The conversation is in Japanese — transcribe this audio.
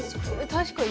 確かに。